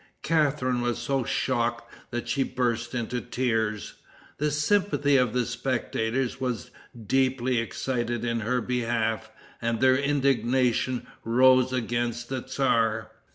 Catharine was so shocked that she burst into tears. The sympathy of the spectators was deeply excited in her behalf, and their indignation roused against the tzar.